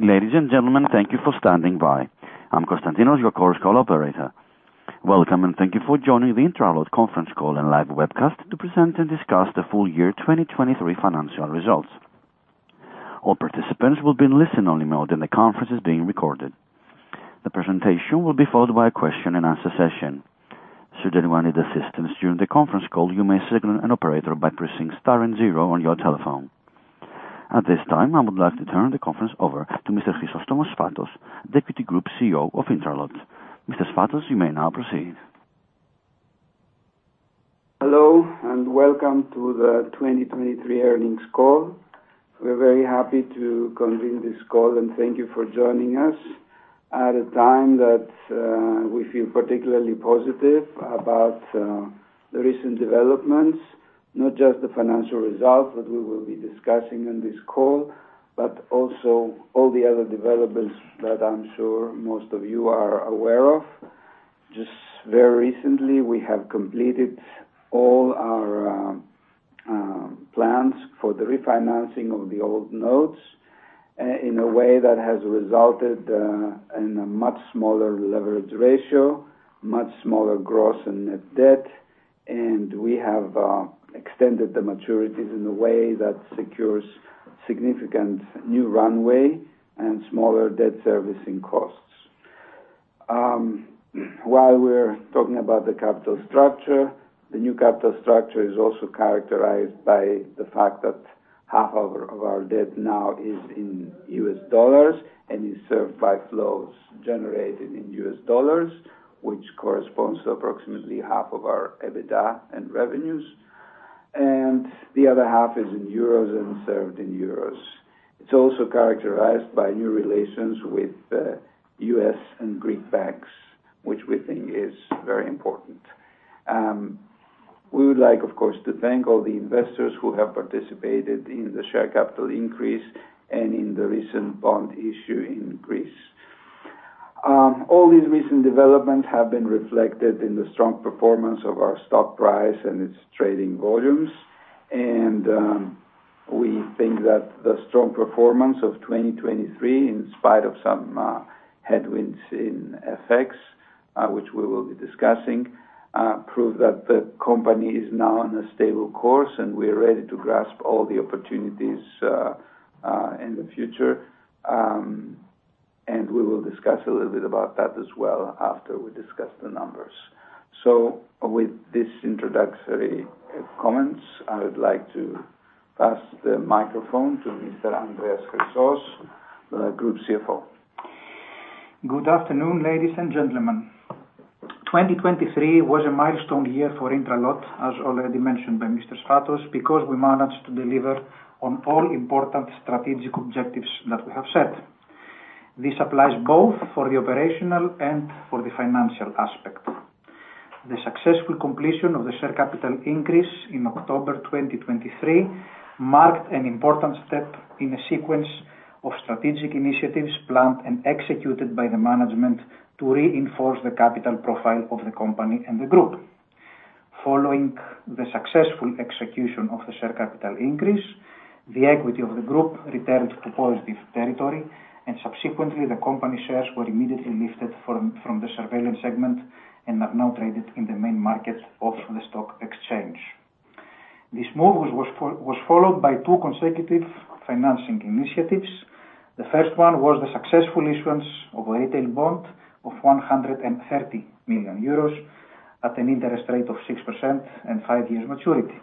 Ladies and gentlemen, thank you for standing by. I'm Constantinos, your correspondent operator. Welcome, and thank you for joining the INTRALOT S.A. conference call and live webcast to present and discuss the full-year 2023 financial results. All participants will be in listen-only mode, and the conference is being recorded. The presentation will be followed by a question-and-answer session. Should anyone need assistance during the conference call, you may signal an operator by pressing star and zero on your telephone. At this time, I would like to turn the conference over to Mr. Chrysostomos Sfatos, Group Deputy CEO of INTRALOT. Mr. Sfatos, you may now proceed. Hello and welcome to the 2023 earnings call. We're very happy to convene this call, and thank you for joining us at a time that we feel particularly positive about, the recent developments, not just the financial results that we will be discussing in this call, but also all the other developments that I'm sure most of you are aware of. Just very recently, we have completed all our plans for the refinancing of the old notes in a way that has resulted in a much smaller leverage ratio, much smaller gross and net debt, and we have extended the maturities in a way that secures significant new runway and smaller debt servicing costs. While we're talking about the capital structure, the new capital structure is also characterized by the fact that half of our debt now is in U.S. dollars and is served by flows generated in U.S. dollars, which corresponds to approximately half of our EBITDA and revenues, and the other half is in euros and served in euros. It's also characterized by new relations with U.S. and Greek banks, which we think is very important. We would like, of course, to thank all the investors who have participated in the share capital increase and in the recent bond issue increase. All these recent developments have been reflected in the strong performance of our stock price and its trading volumes, and, we think that the strong performance of 2023, in spite of some, headwinds in FX, which we will be discussing, proved that the company is now on a stable course and we're ready to grasp all the opportunities, in the future. And we will discuss a little bit about that as well after we discuss the numbers. So, with these introductory, comments, I would like to pass the microphone to Mr. Andreas Chrysos, the Group CFO. Good afternoon, ladies and gentlemen. 2023 was a milestone year for INTRALOT, as already mentioned by Mr. Sfatos, because we managed to deliver on all important strategic objectives that we have set. This applies both for the operational and for the financial aspect. The successful completion of the share capital increase in October 2023 marked an important step in a sequence of strategic initiatives planned and executed by the management to reinforce the capital profile of the company and the group. Following the successful execution of the share capital increase, the equity of the group returned to positive territory, and subsequently, the company shares were immediately lifted from the surveillance segment and are now traded in the main market of the stock exchange. This move was followed by two consecutive financing initiatives. The first one was the successful issuance of a retail bond of 130 million euros at an interest rate of 6% and five years maturity.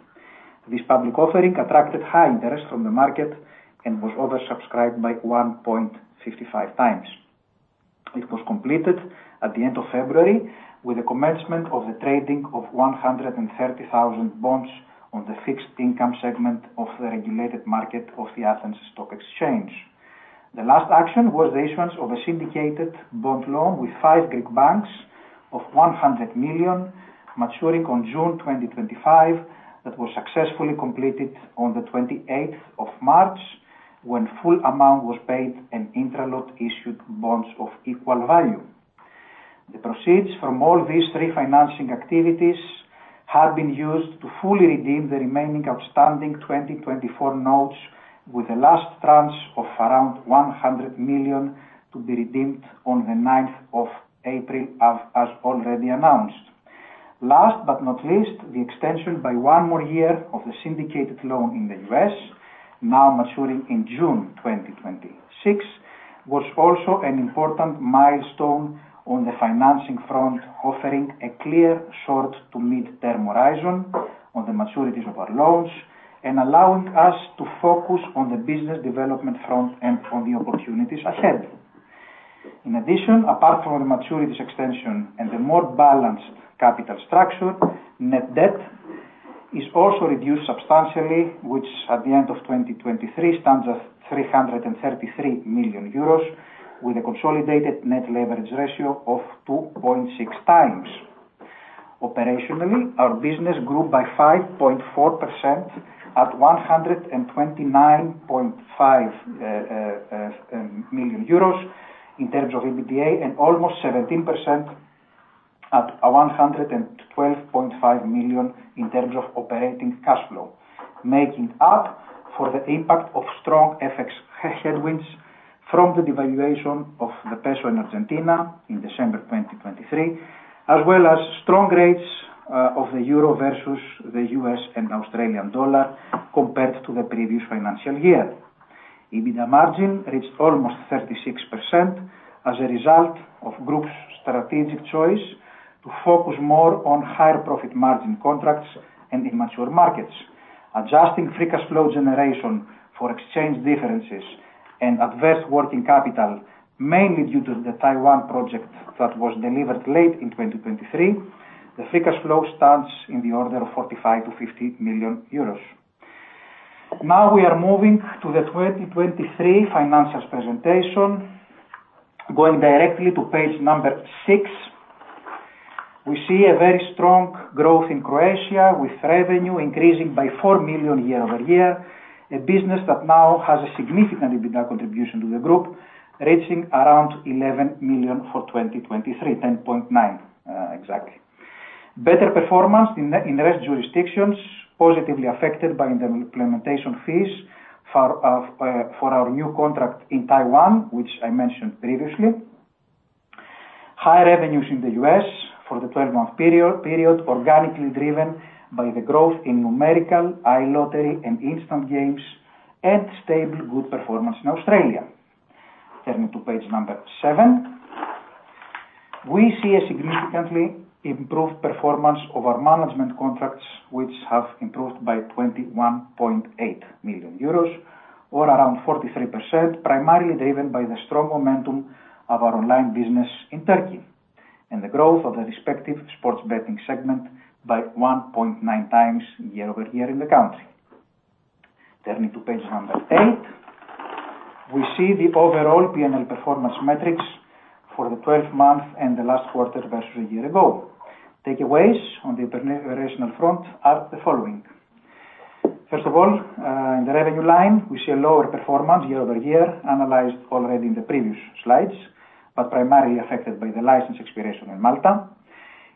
This public offering attracted high interest from the market and was oversubscribed by 1.55x. It was completed at the end of February with the commencement of the trading of 130,000 bonds on the fixed income segment of the regulated market of the Athens Stock Exchange. The last action was the issuance of a syndicated bond loan with five Greek banks of 100 million maturing on June 2025 that was successfully completed on the 28th of March when full amount was paid and INTRALOT issued bonds of equal value. The proceeds from all these refinancing activities have been used to fully redeem the remaining outstanding 2024 notes, with the last tranche of around 100 million to be redeemed on the 9th of April, as already announced. Last but not least, the extension by one more year of the syndicated loan in the U.S., now maturing in June 2026, was also an important milestone on the financing front, offering a clear short-to-mid-term horizon on the maturities of our loans and allowing us to focus on the business development front and on the opportunities ahead. In addition, apart from the maturities extension and the more balanced capital structure, net debt is also reduced substantially, which at the end of 2023 stands at 333 million euros, with a consolidated net leverage ratio of 2.6x. Operationally, our business grew by 5.4% at 129.5 million euros in terms of EBITDA and almost 17% at 112.5 million in terms of operating cash flow, making up for the impact of strong FX headwinds from the devaluation of the peso in Argentina in December 2023, as well as strong rates of the euro versus the U.S. and Australian dollar compared to the previous financial year. EBITDA margin reached almost 36% as a result of the group's strategic choice to focus more on higher profit margin contracts and in mature markets. Adjusting free cash flow generation for exchange differences and adverse working capital, mainly due to the Taiwan project that was delivered late in 2023, the free cash flow stands in the order of 45 million-50 million euros. Now we are moving to the 2023 financials presentation. Going directly to page number six, we see a very strong growth in Croatia, with revenue increasing by 4 million year-over-year, a business that now has a significant EBITDA contribution to the group, reaching around 11 million for 2023, 10.9 million exactly. Better performance in rest jurisdictions, positively affected by implementation fees for our new contract in Taiwan, which I mentioned previously. High revenues in the U.S. for the 12-month period, organically driven by the growth in numerical, iLottery, and instant games, and stable good performance in Australia. Turning to page number seven, we see a significantly improved performance of our management contracts, which have improved by 21.8 million euros, or around 43%, primarily driven by the strong momentum of our online business in Turkey and the growth of the respective sports betting segment by 1.9x year-over-year in the country. Turning to page eight, we see the overall P&L performance metrics for the 12th month and the last quarter versus a year ago. Takeaways on the operational front are the following. First of all, in the revenue line, we see a lower performance year-over-year, analyzed already in the previous slides, but primarily affected by the license expiration in Malta.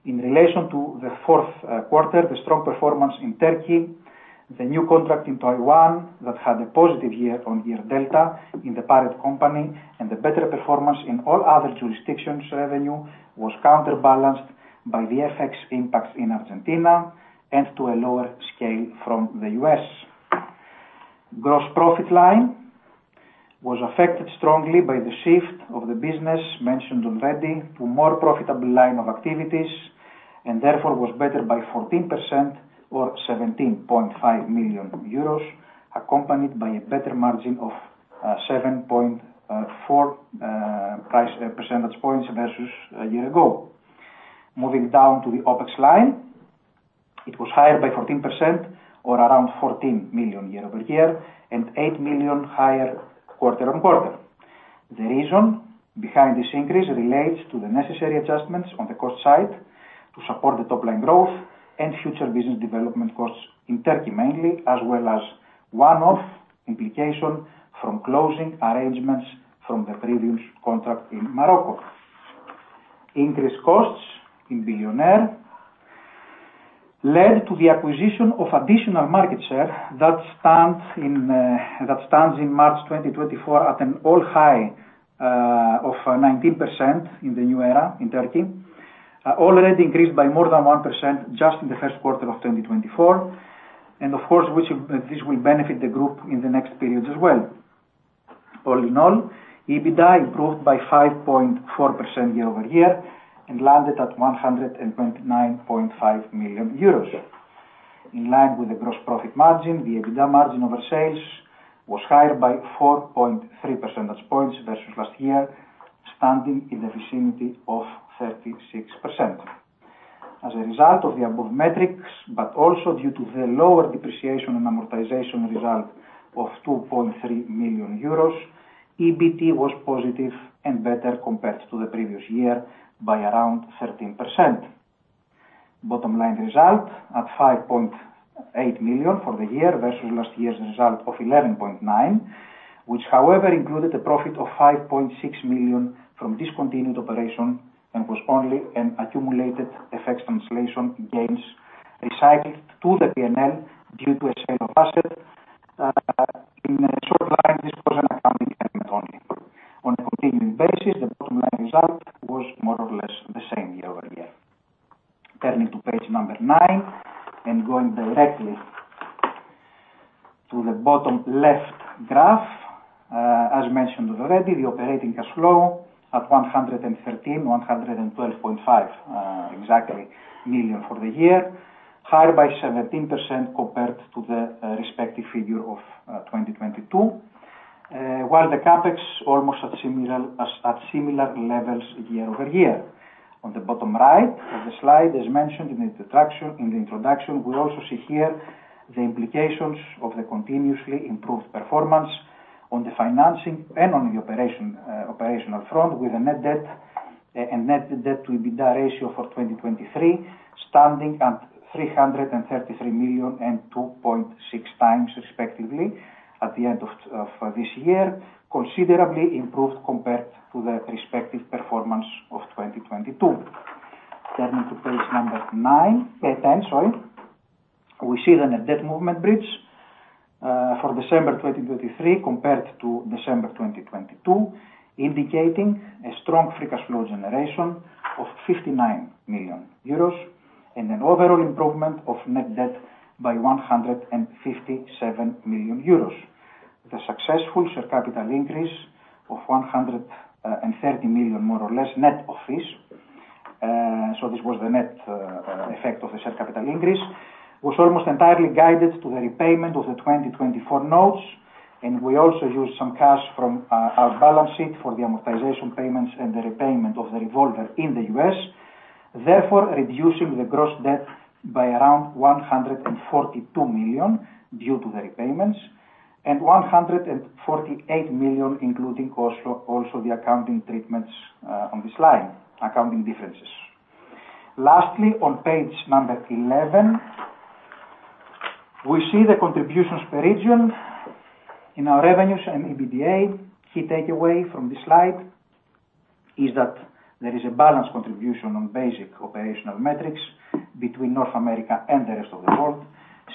In relation to the fourth quarter, the strong performance in Turkey, the new contract in Taiwan that had a positive year-on-year delta in the parent company, and the better performance in all other jurisdictions' revenue was counterbalanced by the FX impacts in Argentina and to a lower scale from the U.S. Gross profit line was affected strongly by the shift of the business, mentioned already, to a more profitable line of activities and therefore was better by 14%, or 17.5 million euros, accompanied by a better margin of 7.4 percentage points versus a year ago. Moving down to the OpEx line, it was higher by 14%, or around 14 million year-over-year, and 8 million higher quarter-on-quarter. The reason behind this increase relates to the necessary adjustments on the cost side to support the top-line growth and future business development costs in Turkey mainly, as well as one-off implication from closing arrangements from the previous contract in Morocco. Increased costs in Bilyoner led to the acquisition of additional market share that stands in March 2024 at an all-time high of 19% in the new era in Turkey, already increased by more than 1% just in the first quarter of 2024, and of course, this will benefit the group in the next period as well. All in all, EBITDA improved by 5.4% year-over-year and landed at 129.5 million euros. In line with the gross profit margin, the EBITDA margin over sales was higher by 4.3 percentage points versus last year, standing in the vicinity of 36%. As a result of the above metrics, but also due to the lower depreciation and amortization result of 2.3 million euros, EBIT was positive and better compared to the previous year by around 13%. Bottom-line result at 5.8 million for the year versus last year's result of 11.9 million, which, however, included a profit of 5.6 million from discontinued operation and was only an accumulated FX translation gains recycled to the P&L due to a sale of asset. In short lines, this was an accounting element only. On a continuing basis, the bottom-line result was more or less the same year-over-year. Turning to page number nine and going directly to the bottom left graph, as mentioned already, the operating cash flow at 113, 112.5 exactly million for the year, higher by 17% compared to the respective figure of 2022, while the CapEx almost at similar levels year-over-year. On the bottom right of the slide, as mentioned in the introduction, we also see here the implications of the continuously improved performance on the financing and on the operational front, with a net debt and net debt to EBITDA ratio for 2023 standing at 333 million and 2.6x, respectively, at the end of this year, considerably improved compared to the respective performance of 2022. Turning to page number nine sorry, we see the net debt movement bridge for December 2023 compared to December 2022, indicating a strong free cash flow generation of 59 million euros and an overall improvement of net debt by 157 million euros. The successful share capital increase of 130 million, more or less, net of fees so this was the net effect of the share capital increase was almost entirely guided to the repayment of the 2024 notes, and we also used some cash from our balance sheet for the amortization payments and the repayment of the revolver in the U.S., therefore reducing the gross debt by around 142 million due to the repayments and 148 million, including also the accounting treatments on this line, accounting differences. Lastly, on page number 11, we see the contributions per region in our revenues and EBITDA. Key takeaway from this slide is that there is a balanced contribution on basic operational metrics between North America and the rest of the world,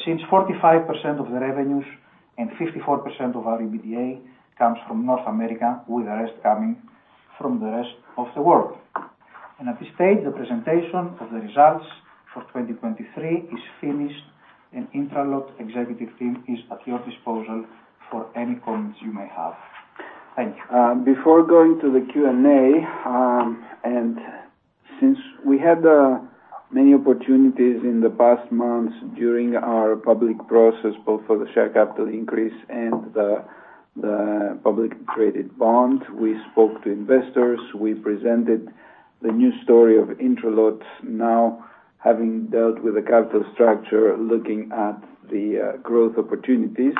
since 45% of the revenues and 54% of our EBITDA comes from North America, with the rest coming from the rest of the world. At this stage, the presentation of the results for 2023 is finished, and INTRALOT Executive Team is at your disposal for any comments you may have. Thank you. Before going to the Q&A, and since we had many opportunities in the past months during our public process, both for the share capital increase and the public traded bond, we spoke to investors. We presented the new story of INTRALOT now having dealt with the capital structure, looking at the growth opportunities.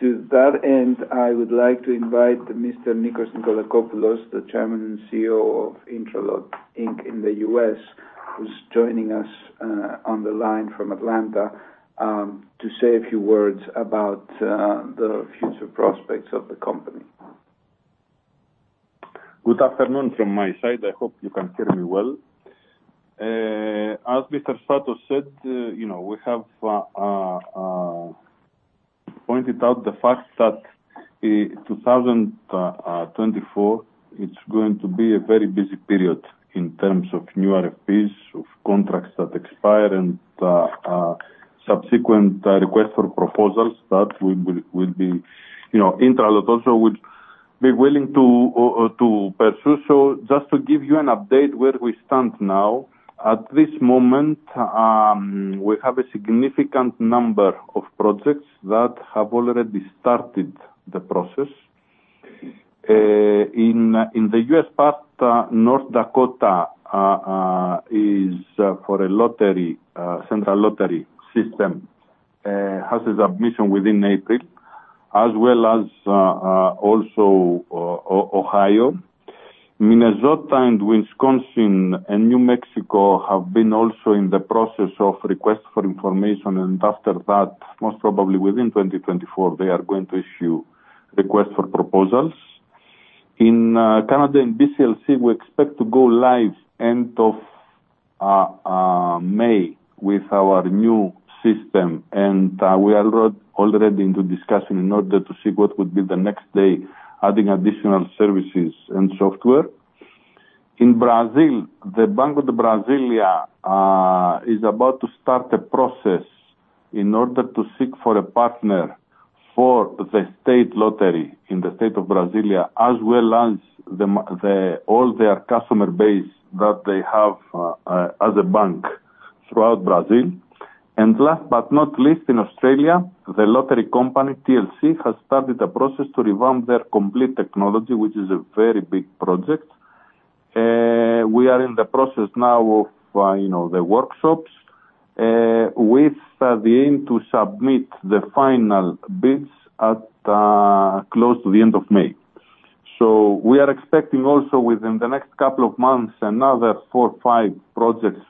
To that end, I would like to invite Mr. Nikolaos Nikolakopoulos, the Chairman and CEO of INTRALOT Inc in the U.S., who's joining us on the line from Atlanta, to say a few words about the future prospects of the company. Good afternoon from my side. I hope you can hear me well. As Mr. Sfatos said, we have pointed out the fact that 2024, it's going to be a very busy period in terms of new RFPs, of contracts that expire, and subsequent requests for proposals that will be INTRALOT also will be willing to pursue. So just to give you an update where we stand now, at this moment, we have a significant number of projects that have already started the process. In the U.S. part, North Dakota is for a lottery, central lottery system, has its submission within April, as well as also Ohio. Minnesota and Wisconsin and New Mexico have been also in the process of requests for information, and after that, most probably within 2024, they are going to issue requests for proposals. In Canada and BCLC, we expect to go live end of May with our new system, and we are already in discussions in order to see what would be the next day, adding additional services and software. In Brazil, the Bank of Brasília is about to start a process in order to seek for a partner for the state lottery in the state of Brasília, as well as all their customer base that they have as a bank throughout Brazil. And last but not least, in Australia, the lottery company, TLC, has started a process to revamp their complete technology, which is a very big project. We are in the process now of the workshops with the aim to submit the final bids close to the end of May. So we are expecting also within the next couple of months another four, five projects,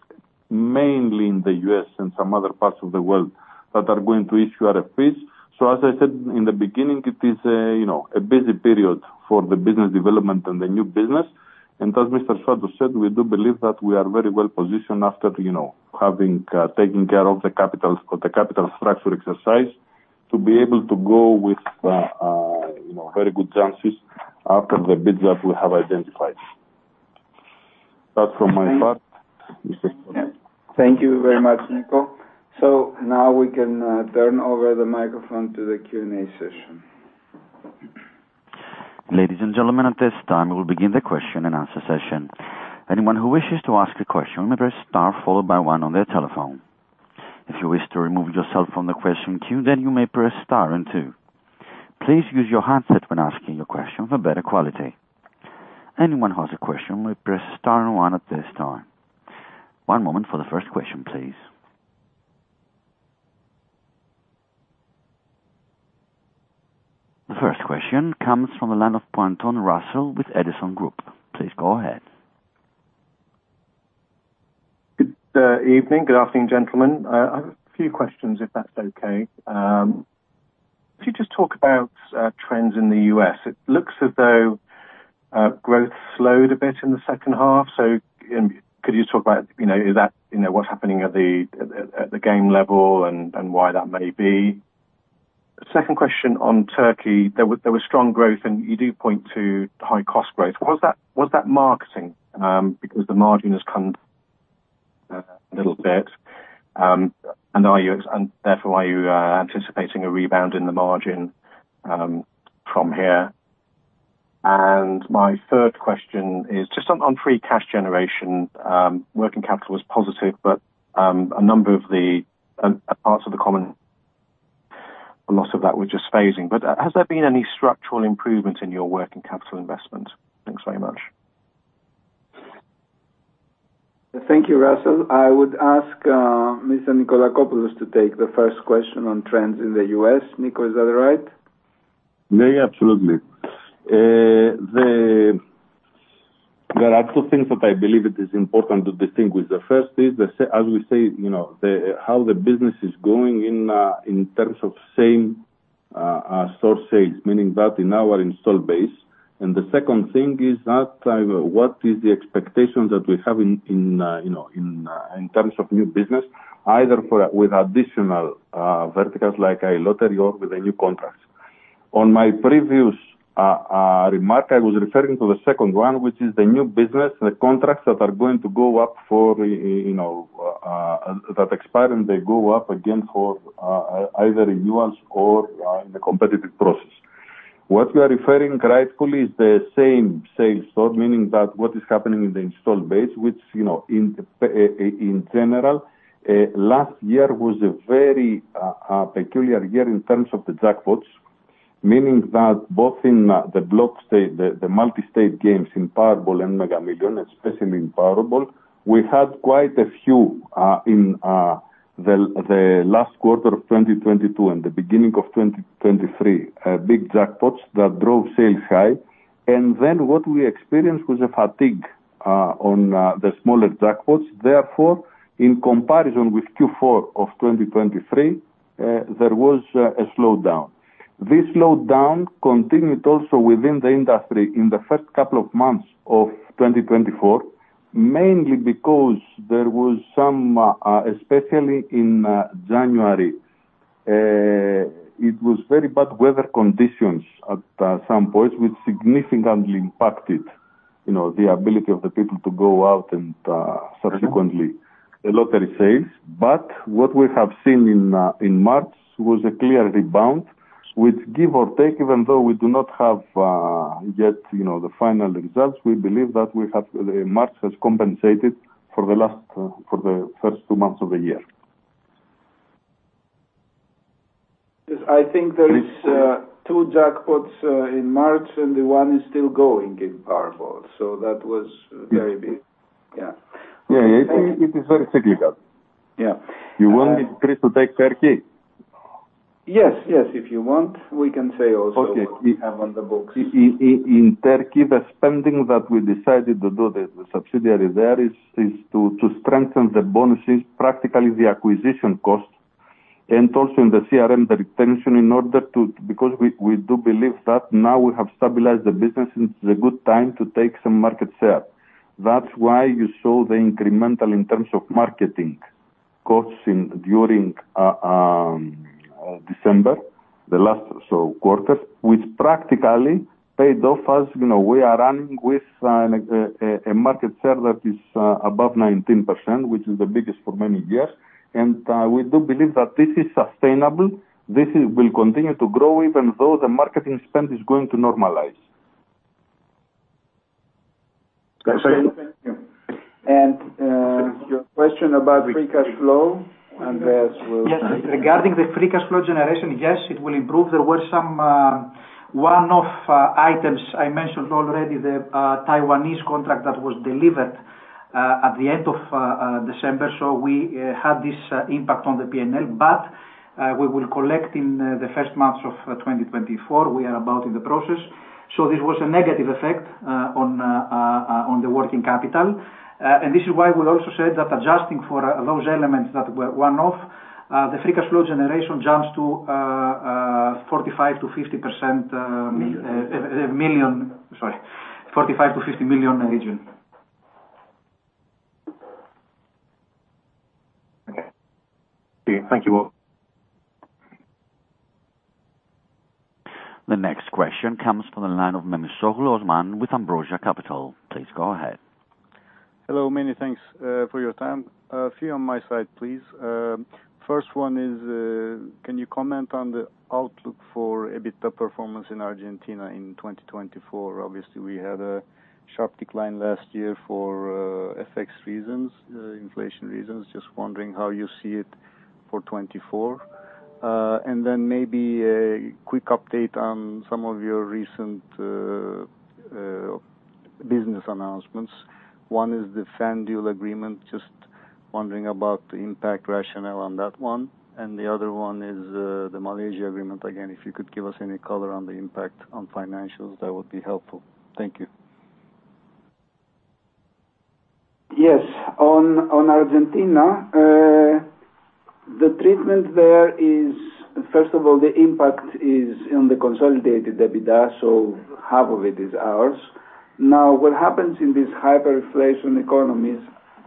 mainly in the U.S. and some other parts of the world, that are going to issue RFPs. So as I said in the beginning, it is a busy period for the business development and the new business. And as Mr. Sfatos said, we do believe that we are very well positioned after taking care of the capital structure exercise to be able to go with very good chances after the bids that we have identified. That's from my part, Mr. Sfatos. Thank you very much, Nico. Now we can turn over the microphone to the Q&A session. Ladies and gentlemen, at this time, we will begin the question and answer session. Anyone who wishes to ask a question may press star followed by one on their telephone. If you wish to remove yourself from the question queue, then you may press star and two. Please use your handset when asking your question for better quality. Anyone who has a question may press star and one at this time. One moment for the first question, please. The first question comes from the line of Pointon, Russell with Edison Group. Please go ahead. Good evening. Good afternoon, gentlemen. I have a few questions, if that's okay. Could you just talk about trends in the U.S.? It looks as though growth slowed a bit in the second half. So could you just talk about, is that what's happening at the game level and why that may be? Second question on Turkey. There was strong growth, and you do point to high-cost growth. Was that marketing because the margin has come down a little bit? And therefore, are you anticipating a rebound in the margin from here? And my third question is just on free cash generation. Working capital was positive, but a number of the parts of the common a lot of that were just phasing. But has there been any structural improvement in your working capital investment? Thanks very much. Thank you, Russell. I would ask Mr. Nikolakopoulos to take the first question on trends in the US. Nico, is that right? Yeah, yeah. Absolutely. There are two things that I believe it is important to distinguish. The first is, as we say, how the business is going in terms of same source sales, meaning that in our installed base. And the second thing is that what is the expectation that we have in terms of new business, either with additional verticals like a lottery or with the new contracts. On my previous remark, I was referring to the second one, which is the new business, the contracts that are going to go up for that expire, and they go up again for either renewals or in the competitive process. What you are referring to, rightfully, is the same sales story, meaning that what is happening in the installed base, which in general, last year was a very peculiar year in terms of the jackpots, meaning that both in the multi-state games, Powerball and Mega Millions, especially in Powerball, we had quite a few in the last quarter of 2022 and the beginning of 2023, big jackpots that drove sales high. And then what we experienced was a fatigue on the smaller jackpots. Therefore, in comparison with Q4 of 2023, there was a slowdown. This slowdown continued also within the industry in the first couple of months of 2024, mainly because there was some especially in January, it was very bad weather conditions at some points, which significantly impacted the ability of the people to go out and subsequently the lottery sales. But what we have seen in March was a clear rebound, which, give or take, even though we do not have yet the final results, we believe that March has compensated for the first two months of the year. I think there is two jackpots in March, and the one is still going in Powerball. So that was very big. Yeah. Yeah, yeah. It is very cyclical. You want me please to take Turkey? Yes, yes. If you want, we can say also what we have on the books. In Turkey, the spending that we decided to do, the subsidiary there, is to strengthen the bonuses, practically the acquisition costs, and also in the CRM, the retention in order to because we do believe that now we have stabilized the business. It's a good time to take some market share. That's why you saw the incremental in terms of marketing costs during December, the last quarter, which practically paid off as we are running with a market share that is above 19%, which is the biggest for many years. And we do believe that this is sustainable. This will continue to grow even though the marketing spend is going to normalize. Thank you. And your question about free cash flow, Andreas will. Yes. Regarding the free cash flow generation, yes, it will improve. There were some one-off items. I mentioned already the Taiwanese contract that was delivered at the end of December. So we had this impact on the P&L, but we will collect in the first months of 2024. We are about in the process. So this was a negative effect on the working capital. And this is why we also said that adjusting for those elements that were one-off, the free cash flow generation jumps to 45 million-50 million. Sorry, 45 million-50 million region. Okay. Thank you. The next question comes from the line of Osman Memisoglu with Ambrosia Capital. Please go ahead. Hello. Many thanks for your time. A few on my side, please. First one is, can you comment on the outlook for a bit of performance in Argentina in 2024? Obviously, we had a sharp decline last year for FX reasons, inflation reasons. Just wondering how you see it for 2024. And then maybe a quick update on some of your recent business announcements. One is the FanDuel agreement. Just wondering about the impact rationale on that one. And the other one is the Malaysia agreement. Again, if you could give us any color on the impact on financials, that would be helpful. Thank you. Yes. On Argentina, the treatment there is, first of all, the impact is in the consolidated EBITDA, so half of it is ours. Now, what happens in these hyperinflation economies,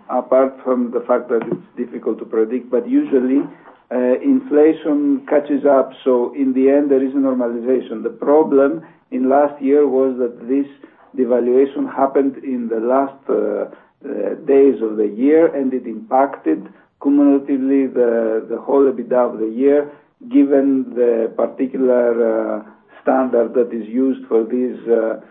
apart from the fact that it's difficult to predict, but usually, inflation catches up. In the end, there is a normalization. The problem in last year was that this devaluation happened in the last days of the year, and it impacted cumulatively the whole EBITDA of the year given the particular standard that is used for these economies.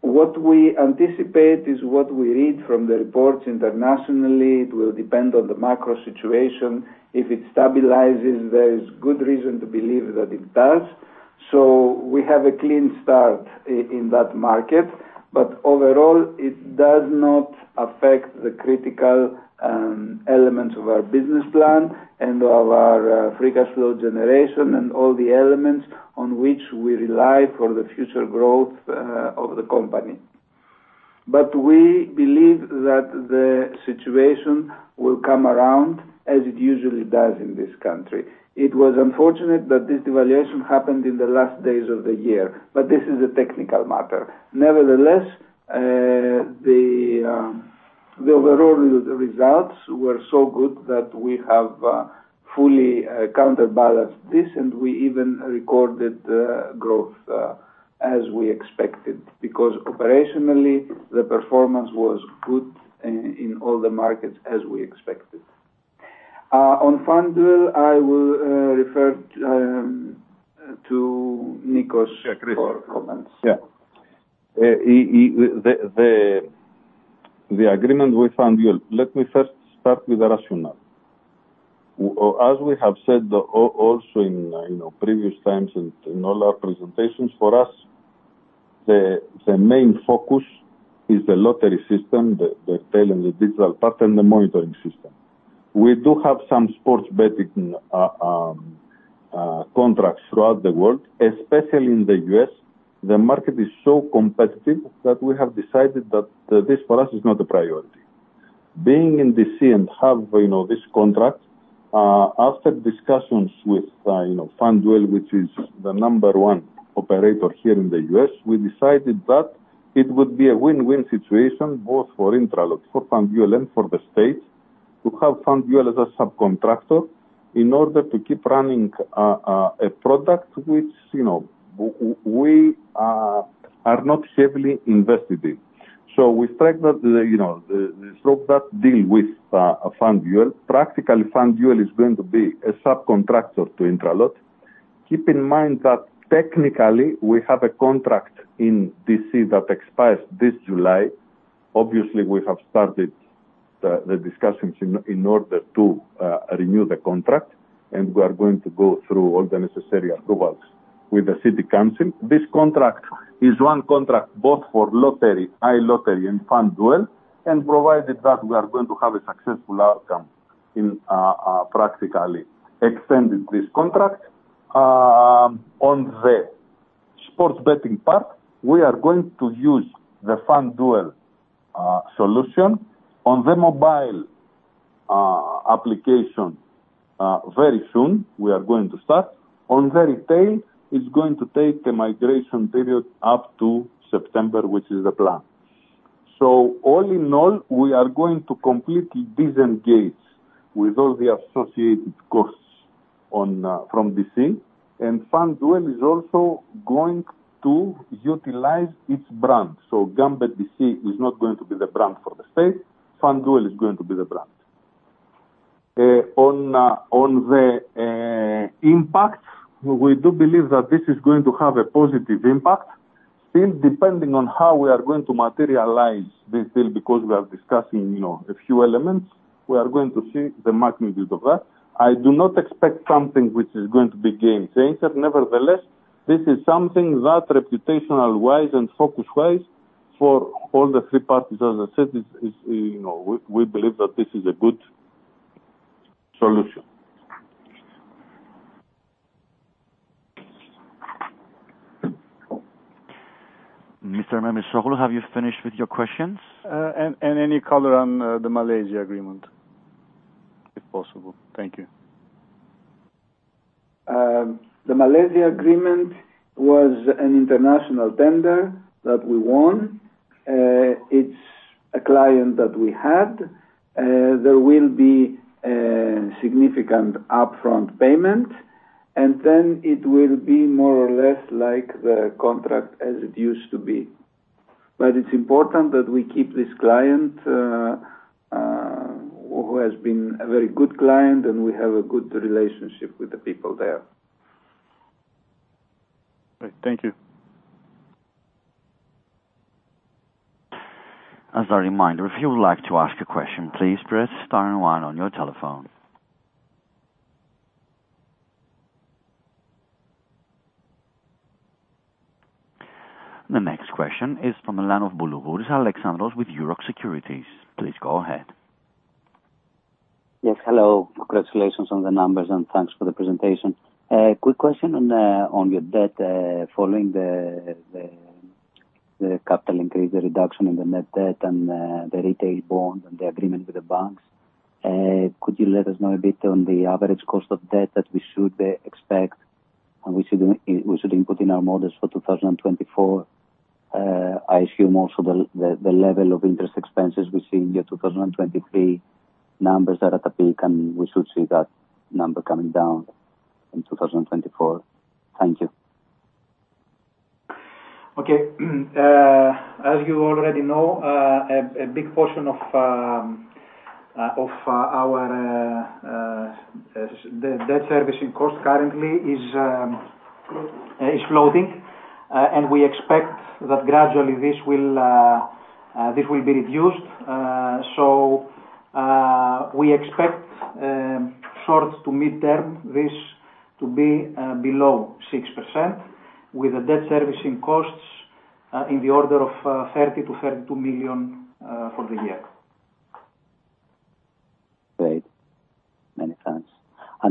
What we anticipate is what we read from the reports internationally. It will depend on the macro situation. If it stabilizes, there is good reason to believe that it does. We have a clean start in that market. But overall, it does not affect the critical elements of our business plan and of our Free Cash Flow generation and all the elements on which we rely for the future growth of the company. But we believe that the situation will come around as it usually does in this country. It was unfortunate that this devaluation happened in the last days of the year, but this is a technical matter. Nevertheless, the overall results were so good that we have fully counterbalanced this, and we even recorded growth as we expected because operationally, the performance was good in all the markets as we expected. On FanDuel, I will refer to Nico's comments. Yeah, Chris. Yeah. The agreement with FanDuel, let me first start with the rationale. As we have said also in previous times and in all our presentations, for us, the main focus is the lottery system, the retail and the digital part, and the monitoring system. We do have some sports betting contracts throughout the world, especially in the U.S. The market is so competitive that we have decided that this, for us, is not a priority. Being in D.C. and have this contract, after discussions with FanDuel, which is the number one operator here in the U.S., we decided that it would be a win-win situation both for INTRALOT, for FanDuel, and for the states to have FanDuel as a subcontractor in order to keep running a product which we are not heavily invested in. So we struck that deal with FanDuel. Practically, FanDuel is going to be a subcontractor to INTRALOT. Keep in mind that technically, we have a contract in D.C. that expires this July. Obviously, we have started the discussions in order to renew the contract, and we are going to go through all the necessary approvals with the city council. This contract is one contract both for lottery, iLottery, and FanDuel, and provided that we are going to have a successful outcome in practically extending this contract. On the sports betting part, we are going to use the FanDuel solution on the mobile application very soon. We are going to start. On the retail, it's going to take a migration period up to September, which is the plan. So all in all, we are going to completely disengage with all the associated costs from D.C. And FanDuel is also going to utilize its brand. So GambetDC is not going to be the brand for the state. FanDuel is going to be the brand. On the impact, we do believe that this is going to have a positive impact. Still, depending on how we are going to materialize this deal because we are discussing a few elements, we are going to see the magnitude of that. I do not expect something which is going to be game-changer. Nevertheless, this is something that reputational-wise and focus-wise for all the three parties, as I said, we believe that this is a good solution. Mr. Memisoglu, have you finished with your questions? Any color on the Malaysia agreement, if possible. Thank you. The Malaysia agreement was an international tender that we won. It's a client that we had. There will be significant upfront payment, and then it will be more or less like the contract as it used to be. But it's important that we keep this client who has been a very good client, and we have a good relationship with the people there. Great. Thank you. As a reminder, if you would like to ask a question, please press star and one on your telephone. The next question is from the line of Alexandros Boulouburis with Euroxx Securities. Please go ahead. Yes. Hello. Congratulations on the numbers, and thanks for the presentation. Quick question on your debt following the capital increase, the reduction in the net debt, and the retail bond, and the agreement with the banks. Could you let us know a bit on the average cost of debt that we should expect and we should input in our models for 2024? I assume also the level of interest expenses we see in your 2023 numbers are at a peak, and we should see that number coming down in 2024. Thank you. Okay. As you already know, a big portion of our debt servicing costs currently is floating, and we expect that gradually this will be reduced. So we expect short to mid-term, this to be below 6% with the debt servicing costs in the order of 30 million-32 million for the year. Great. Many thanks.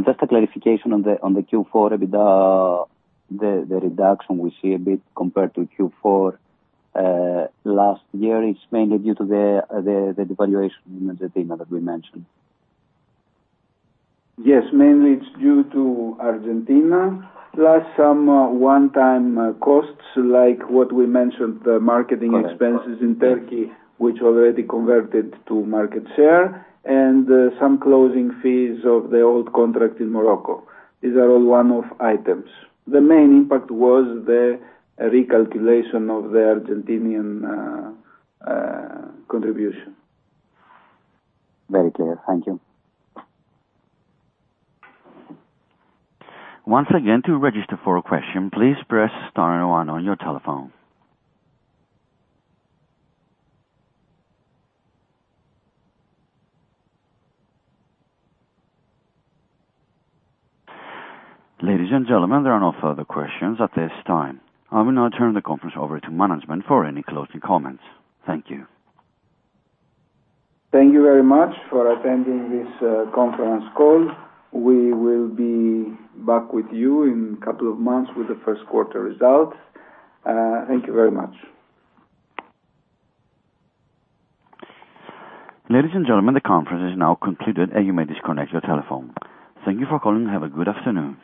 Just a clarification on the Q4 EBITDA, the reduction we see a bit compared to Q4 last year, it's mainly due to the devaluation in Argentina that we mentioned? Yes. Mainly, it's due to Argentina plus some one-time costs like what we mentioned, the marketing expenses in Turkey, which already converted to market share, and some closing fees of the old contract in Morocco. These are all one-off items. The main impact was the recalculation of the Argentinian contribution. Very clear. Thank you. Once again, to register for a question, please press star and one on your telephone. Ladies and gentlemen, there are no further questions at this time. I will now turn the conference over to management for any closing comments. Thank you. Thank you very much for attending this conference call. We will be back with you in a couple of months with the first quarter results. Thank you very much. Ladies and gentlemen, the conference is now concluded, and you may disconnect your telephone. Thank you for calling. Have a good afternoon.